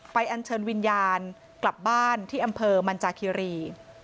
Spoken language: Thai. อันเชิญวิญญาณกลับบ้านที่อำเภอมันจากคิรี